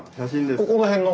ここの辺の。